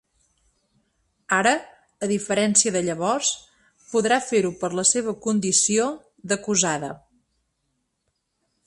Ara, a diferència de llavors, podrà fer-ho per la seva condició d’acusada.